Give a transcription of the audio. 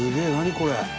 これ。